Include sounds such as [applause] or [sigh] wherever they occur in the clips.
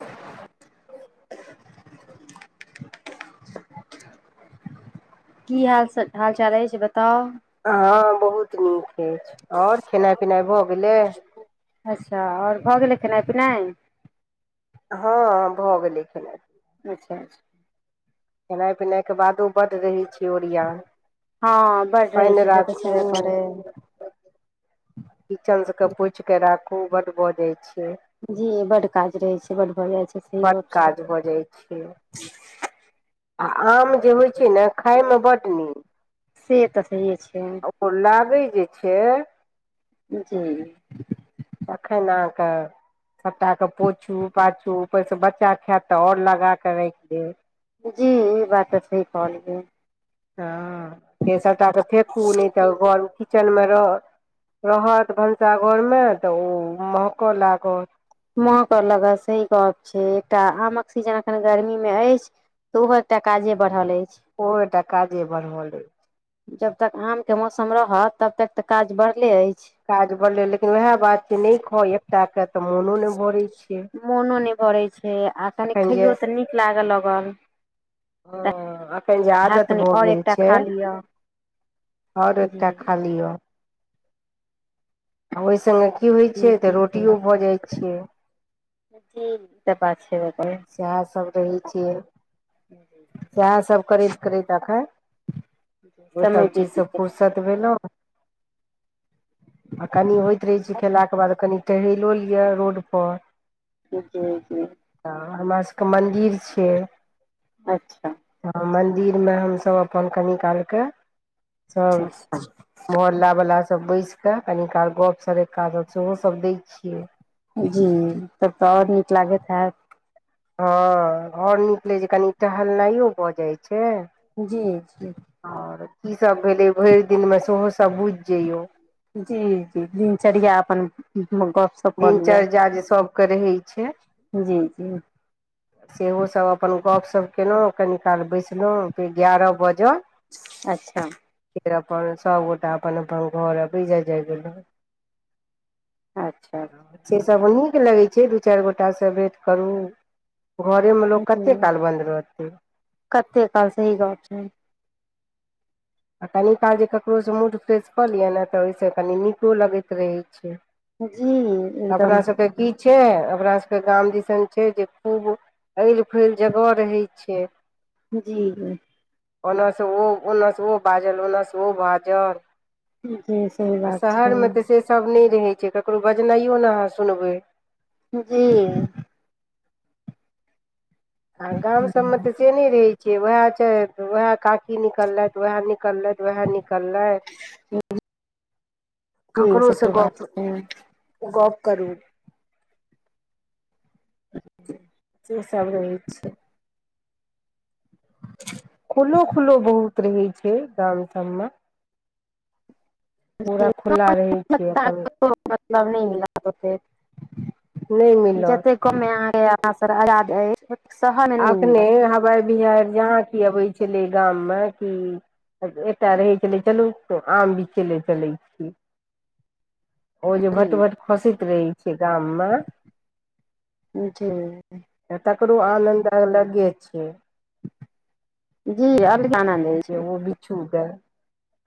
[inaudible] की हाल हाल चाल अछि बताउ हँ बहुत नीक अछि आओर खेनाइ पिनाइ भऽ गेलै अच्छा आओर भऽ गेलै खेनाइ पिनाइ हँ भऽ गेलै खेनाइ अच्छा अच्छा खेनाइ पिनाइ के बादो बड्ड रहै छै ओरियान हँ बड्ड रहै पानि छै से तऽ राखू छेबे करै किचन सब के पोछि के राखू बड्ड बजै छियै जी बड्ड काज रहै छै बड्ड भऽ जाइ छै सही बड्ड गप काज भऽ जाइ छै आ आम जे होइ छै ने खाायमे बड्ड नीक से तऽ सहिए छै आ ओ लागै जे छै जी तखैन अहाँ के सबटाके पोछू पाछू ओहि से बच्चा खायत तऽ आओर लगाके राखि देत जी ई बात तऽ सही कहलियै हँ फेर सभटाके फेकू नहि तऽ घर किचेनमे रह रहत भनसाघरमे तऽ ओ महकऽ लागत महकऽ लगत सही गप छै एकटा आमक सीजन अखन गर्मी मे अछि तऽ ओहो एकटा काजे बढ़ल अछि ओटा काजे बढ़ल रहे जब तक आम के मौसम रहत तब तक तऽ काज बढ़ले अछि काज बढ़लै लेकिन वएह बात छै नहि खा एकटा के तऽ मोनो नहि भरै छै मोनो नहि भरै छै आ कनी एखन जे खइयो तऽ नीक लागऽ लगल हँ एखन जे हैत आदत कनि भऽ आओर गेल एकटा छै खा लिअ आओर एतटा जी खा जी लिअ आ ओहि सङ्गे की होइत छै तऽ जी सही रोटियो बात भऽ छै जाइत छियै जी ई तऽ बात छै सएहसभ रहै छियै सएहसभ करैत करैत एखैन ओ समय सभ चीजसँ बीत फुर्सत भेलहु आ कनि होइत रहै छै खेलाके बाद कनि टहैेलो लिअ रोडपर जी जी तऽ हमरा सबके मन्दिर छियै अच्छा हँ मन्दिरमे हमसभ अपन कनी कालके सब मोहल्ला वला सब बैसि के कनीकाल गप सरक्का सब सेहो सब दै छियै जी तब तऽ आओर नीक लागैत हैत हँ घर निकलैत छै कनि टहलनाइयो भऽ जाइत छै जी जी आओर कीसभ भेलै भरि दिनमे सेहोसभ बुझि जइयौ जी जी दिनचर्या अपन गप दिनचर्या जे सभके रहै छै। जी जी सेहोसभ अपन गपशप केलहुँ कनी काल बैसलौं फेर एगारह बजल अच्छा [unintelligible] फेर अपन सबगोटा अपन अपन घर अबै जाय जाय गेलौं अच्छा से सभ नीक लगै छै दू चारि गोटासँ भेँट करू घरेमे लोक कते जी काल बन्द रहतै कते काल सही बात छै आ कनि काल जे ककरोसँ मूड फ्रेश कऽ लिय ने तऽ ओहिसँ कनी नीको लगैत रहैत छै जी एकदम अपना सभके की छै अपना सभके गाम दिसन छै जे खूब अइल फैल जगह रहै छै जी जी ओन्नसँ ओ ओन्नसँ ओ बाजल ओन्नसँ ओ बाजल जी सही आ बात छै शहरमे तऽ सेसभ नहि रहैत छै ककरो बजनाइयो ने अहाँ सुनबै जी आ गाम सबमे तऽ से नहि रहैत छैै उएह छै उएह काकी ई निकलथि उएह निकलथि उएह निकलथि जी ककरोस सही बात गप छै गप करू ह से सब रहै छै [inaudible] खुलो खुलो बहुत रहै छै गाम सब मे पूरा खुला रहै छै अपन ताको मतलब न [unintelligible] हि मिलत ओतेक नहि मिलत जतेक कमे आ [unintelligible] अखने हवाइ बिहैड़ जहाँ की अबै छलै गाममे कि एकटा रहै छलै चलू तऽ आम बीछै ले चलै छी ओ जे भटभट जी खसैत रहै छै गाममे जे तकरो आनन्द अऽलगे छै जी अभी त [unintelligible] आनन्दै छै चूग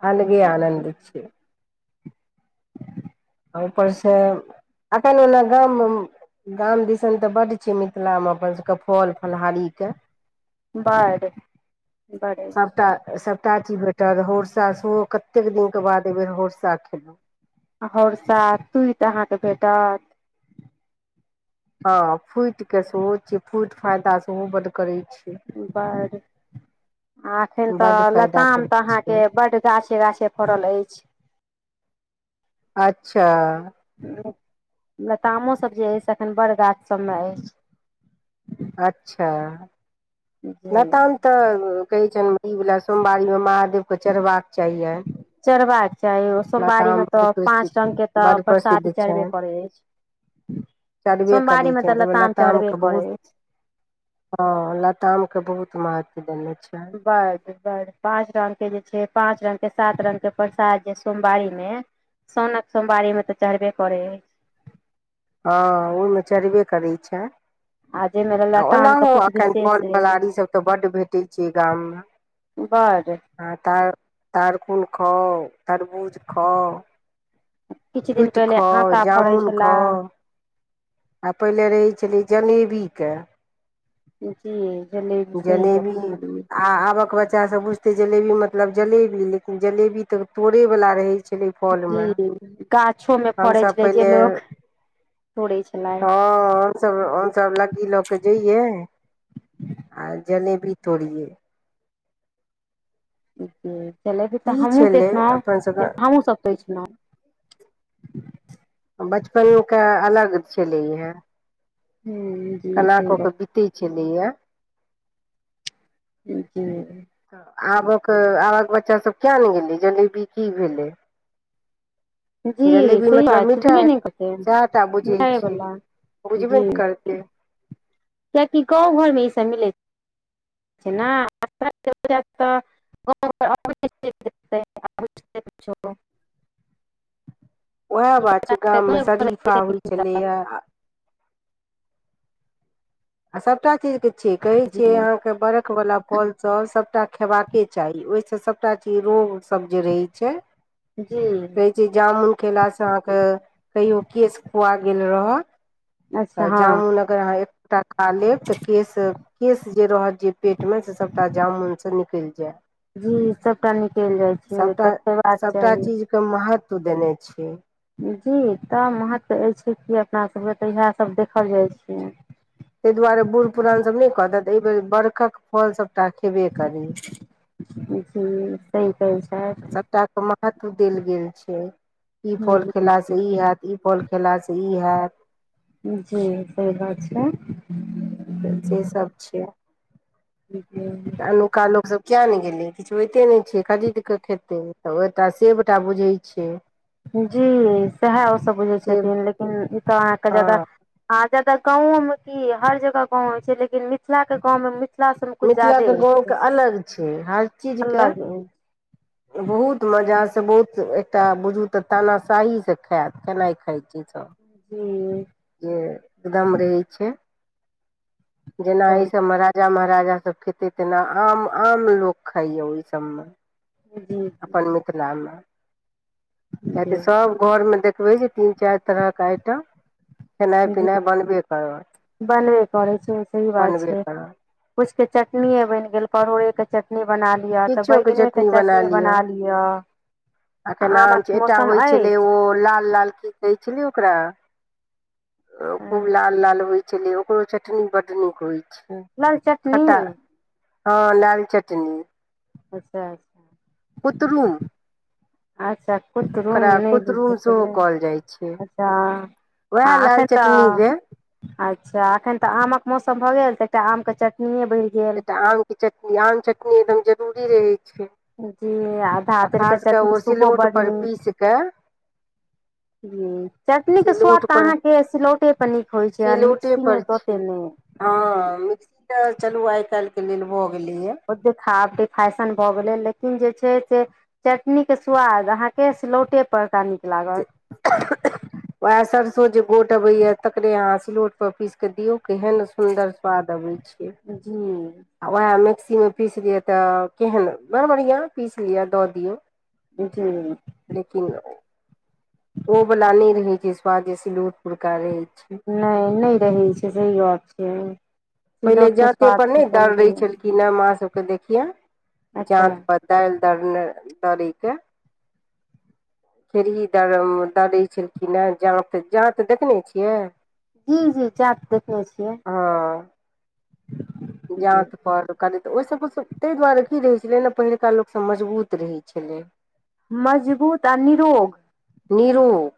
अलगे आनन्द छै ह ऊपर से एखन ओना गाम मे गाम दिसन तऽ बड्ड छै मिथिलामे अपनसभके फल फलहरीके बड बड सबटा सबटाची भेट एकटा होरसा सेहो कतेक दिनके बाद एहिबेर होरसा खेलहुँ होरसा तूति अहाँके भेटत हँ फूटि के सेहो छैय फूटि फायदा सेहो बड करैत छै बड आ एखन तऽ बड फायदा लताम करै तऽ छै अहाँके बड गाछे गाछे फड़ल अछि अच्छा लतामोसभ जे अछि से एखन बड़ गाछसभमे अछि अच्छ जी लताम तऽ कहै छनि ई वला सोमवारीमे महादेवके चढ़बाक चाहियनि चढ़बाक चाही सोमवारी मे लताम बड तऽ पाँच प्रसिद्ध रंग के तऽ बड प्रसाद प्रसिद्ध चढ़बे छनि करै अछि चढ़बे सोमवारी करै मे तऽ छनि ताहिमे लताम चढ़बे करैत अछि ह लताम के बहुत महत्व देने छै बड बड पाँच रंग के जे छै पाँच रंग के सात रंग के प्रसाद जे सोमवारी मे साउनक सोमवारीमे तऽ चढ़बे करै हइ हँ ओहिमे चरबे करै छैन अ जेेनेरल आ ओनाहो अखन फल फलहरी सब तऽ बड्ड भेटै छै गाम मे बड हँ तार तारकुन खाउ तरबूज खाउ किछु दिन फूटि पहिले खाउ आटा फड़ै जामुन छला खाउ आ पहिले रहै छलै जलेबी के बुझलियै जलबी जलेबी आ आबक बच्चा सब बूझि ते जलेबी मतलब जलेबी लेकिन जलेबी तऽ तोड़े वला रहै छलै जी फलमे काछोमे फड़ै हमसभ छै जे पहिले लोक तोड़ै छलाह हम सब लगी लऽ के जइये आ जलेबी तोड़िये चे तऽ त लड्डू त की अहुॅं छलै अपन देखलहु सभके अहुँ सब पुछलहुँ बचपन मे का अलग छलै हे हूँ जी कला सही क के पित्ती चलिया देख [inaudible] आबक आबक बच्चा सब कियेनै गेलै जलेबी की भेलै जी जलेबी मतलब मिठाइ सही [unintelligible] कतै सएह टा बुझै छै मिठाइवला बुझबे जी ने करतै तकि काॅंव घरमे ई सब मिले जा [inaudible] [unintelligible] उएह बात छै गाम मे शरीफा होइ छलैए आ सभटा चीज के छियै कहै छियै अहाॅं के बरख वला फलसब सबटा खेबाके चाही ओहिसँ सबटा चीज रोगसब जे रहै छै जी जे जामुन खेलासे अहाँके कहियो केश खुआ गेल रहत अच्छा तऽ हँ जामुन अगर अहाँ एकटा खा लेब तऽ केश केश जे रहत जे पेटमे से सभटा जामुन सँ निकलि जायत जी सबटा निकलि जाइ छै तखैन खेबाक चाही कियो महत्व देने छै जी तऽ महत्व अयछै कि अपनासबके तऽ इएहसब देखल जाइ छै ताहि दुआरे बूढ़ पुरान सब नहि कहतेत एहि बेर बर्खक फलसभ राखबे करी ह सही कहै छै [inaudible] सबटा के महत्व देल गेल छै ई फल छथि खेला से ई हत ई फल खेलासँ ई हयत जी सही बात छेले तऽ से सब छै ह [unintelligible] तऽ अनुक्का लोकसब किया नहि गेलै किछु होइते नहि छै खरीद कऽ खेतै तऽ एकटा सेबटा बुझहै छै [unintelligible] जी सएह ओसभ बुझै सेब छथिन लेकिन ई तऽ अहाँके हँ जादा आ जदा गाँंव मे की हर जगह गाँंव होइ छै लेकिन मिथिला के गाँंव मे मिथिल सब मे कुछ जादे मिथिलाके होय गाँवके छै अलग छै हर चीजके अलग होय छै बहुत मजासँ बहुत एकटा बुझू तऽ तानाशाहीसँ से खायत खेनाइ खाइत छै सब हू जे एकदम रहै छै जेना तऽ एहि सबमे राखी जे महाराजा सब खेतेय तेना आम आम लोक खाइये लोक ओहि सबमे ह ज [unintelligible] अपन मिथिलामे कते जी सब घर में देखबे जे तीन चार तरह के आइटम खेनाइ जी पिनाइ बनबे करत बने परै छै ओ सही बात बनबे छै करत कुछ के चटनीे बन गेल परोड़े के चटनी बना लिया ते बैगने के चटनी बना लिये किया अखेन एकटा होइ छलै अछि ओ लाल लाल की कहै छलै ओकरा खूब लाल लाल होइ छलै ओकरो चटनी बड्ड नीक होइ छै लाल चटनी खट्टा हँ लाल चटनी अच्छा पूतरूप अच्छा कूत रूम नहि कुतरुम बुझैत सेहो रहै कहल जाइ छै अच्छा वएह आ लाल अखेन तऽ चटनी भेल अच्छा अखन तऽ आमक मौसम भऽ गेल तऽ एकटा आम के चटनीे बनेतिये एकटा आमके चटनी आम चटनी एकदम जरूरी रहै छै हुँ आब खास कऽ ओ सिलौटपर पीस कऽ जी चटनीके स्वाद सिलौट तऽ पर अहाँके सिलौटे पर नीक होइत छै आन सिलौटे मिक्सीमे पर तऽ छै ओते नहि जी हँ मिक्सीम चलू आइ काल्हि के लेल भऽ गेली हे ओ [unintelligible] देखब फैशन भऽ गेलै लेकिन जे छै से चटनीके स्वाद अहाँके सिलौटे पर का नीक लागत वएह सरसो जे गोट अबे या तकरे अहाँ सिलौट पर पीस के दियऔ केहन सुन्दर स्वाद अबै छै जी आ उएह मिक्सीमे पीसि लिअ तऽ केहन बड़ बढ़िआँ पीसि लिअ दऽ दियौ जी लेकिन ओ वाला नहि रहे जे स्वादस सीलूट परका रहे छै नहि नहि रहै छै सही बात छैये पहिले जाते पर नहि दररे छलखिन ह हमह सबके देखिये अच्छा जात पर दाल दरने दड़ी के खेरही द दरै छलखिन हे जात जात देखने छियै हुँ हुँ जात देखने छियै हँ जात पर ओहि सब ताहि दुआरे की रहै छलै ने पहिलुका लोकसभ मजबूत रहै छलै मजबूत आ निरोग निरोग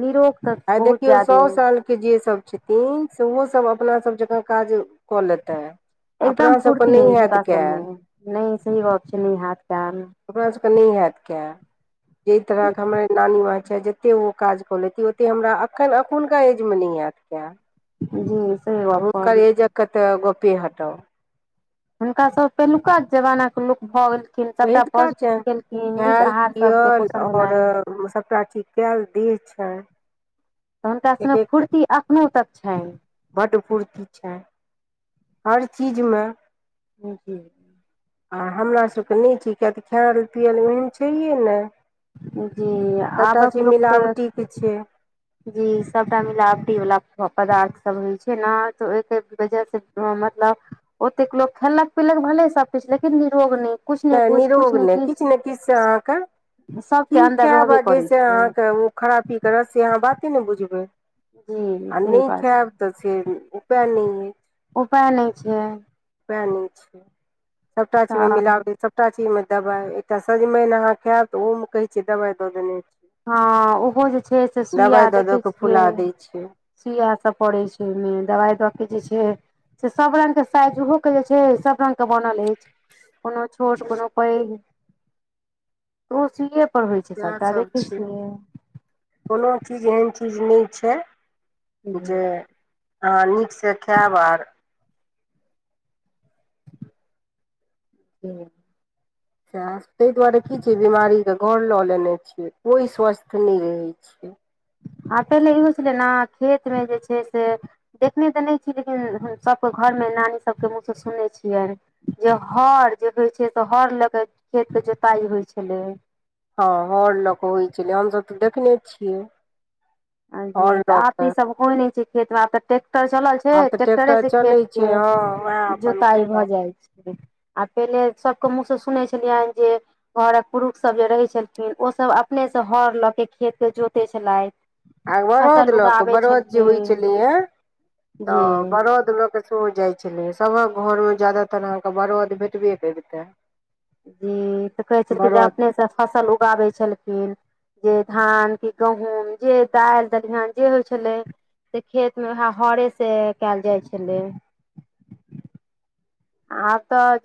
निरोग तऽ बहुत ज्यादे के जे सब छथिन सेहो सब अपना सब जकाँ काज कऽ लेते एकदम फूर्ती हुनका सबमे नहि सही बात छै न हाथ प आन ओरा सबके नहि होत काय जे तरह के हमरा जते ओ काज क लेती ओते हमरा एखन अखुनका एज मे नहि हयत काय जी सही गप हुनकर ऐज कहलियै तऽ गोपे हटबू हुनका सब पहिलुका जमाना के लोक भऽ गेले सभटा पहिलका पौज छै केलखिन नीक खायल आहार सब के पियल पोषण आओर वाला सभटा की [unintelligible] कयल दै छै तऽ हुनका सग फुर्ती अखनो तक छनि बड फूर्ति छै हर चीजमे हँ जी आ हमरासभके नहि छै किय तऽ खायल पियल ओहन छैहे ने जी आबक लोकके की छियै जी सभटा मिलावटी वाला पदार्थसभ होइ छै ने तऽ ओहिके वजह से मतलब ओतेक लोको खेलक पीलक भले सब किछु लेकिन निरोग नहि किछु ने नहि किछु किछु नरोग ने नहि किछ नहि किछु किछ अहाँके सबके की अन्दर खैब रहबे करै जैसे छै अहाँके ओ खरापी करत से अहाँ बाते ने बुझबै जी आ सही नहि बात छै खायब तऽ छै उपाय नहिये उपाय नहि छै उपय न छै सबटा चीज तऽ मिलाबट सब सबटा चीज मे दवा एकटा सजमनि अहाँ खायब तऽ ओहो मे कहे छियै दवाई दऽ देने छै हँ ओहो जे छै से सुइया दबाइ दऽ दऽ देखै कऽ छियै फुला दै छै सुइया सभ पड़ैत छै ओहिमे दबाइ दऽ क जे छै से सब रंग के साइज ओहो के जे छै सब रंग के बनल अछि कोनो छोट कोनो पैघ ओहो सुए इएहसभ छै कोनो चीज एहन चीज नहि छै जी जे अहाँ नीकसँ खायब आ ह [unintelligible] सह ताहि दुआरे की छिये बिमारीके घर लऽ लेने छियै कोइ स्वस्थ नहि रहै छियै आ पहिले इहो छलै ने खेतमे जे छै से देखने तऽ नहि छीयै लेकिन सभके घरमे नानी सबके मुँहसँ सुननै छियै जे हर जे होइ छै से हर लऽ क खेत के जोताई होइ छलै हँ हर लऽ कऽ होइत छलै हमसभ तऽ देखने छियै जी हर तऽ लऽ आबती कऽ सब होई नहि छै खेत मे आ त ट्रेक्टर चलल छै छै आब तऽ ट्रैेक्टरे ट्रैक्टर से खेत चलै के छै हँ उएह अपन जोताइ केलक भऽ जाइ छै आ पहिले सबके मुँह से सुनने छलियनि जे घरक पुरुष सब जे रहै छलखिन ओसभ अपने से हर लऽ के खेत कऽ जोते छलथि आ बरद फसल लऽ के उगाबै बरद जे होइ छलखिन छलै हे तऽ जी बरद लऽ कऽ सेहो जाइ छलै सभक घरमे ज्यदातर अहाँके बरद भेटबे करितै जी तऽ कहै छलखिन जे बरद अपनेसँ फसल उगाबै छलखिन जे धान कि गहूँम जे दालि दलिहन जे होइ छलै से खेत मऽ वएह हरे से कयल जाइ छलै [unintelligible] आब तऽ